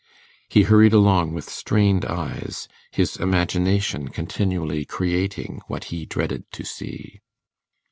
He hurried along with strained eyes, his imagination continually creating what he dreaded to see.